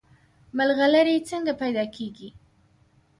ملغلرې څنګه پیدا کیږي؟